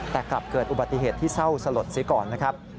แต่กลับเกิดอุบัติเหตุที่เศร้าสลดเสียก่อนนะครับ